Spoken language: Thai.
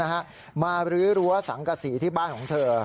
บาชกรรมแถวนี้นะฮะมารื้อรั้วสังกษีที่บ้านของเธอ